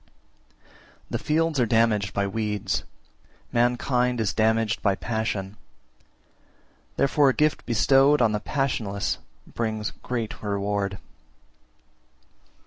356. The fields are damaged by weeds, mankind is damaged by passion: therefore a gift bestowed on the passionless brings great reward.